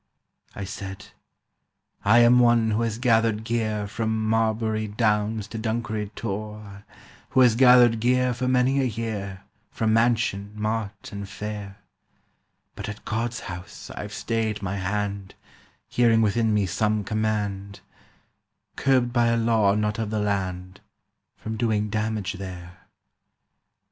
"I said: 'I am one who has gathered gear From Marlbury Downs to Dunkery Tor, Who has gathered gear for many a year From mansion, mart and fair; But at God's house I've stayed my hand, Hearing within me some command— Curbed by a law not of the land From doing damage there.